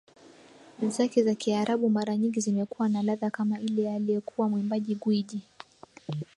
zake za kiarabu mara nyingi zimekuwa na ladha kama ile ya aliyekuwa mwimbaji gwiji